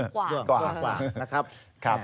ด้วงกว่า